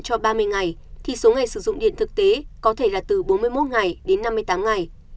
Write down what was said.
cho ba mươi ngày thì số ngày sử dụng điện thực tế có thể là từ bốn mươi một ngày đến năm mươi tám ngày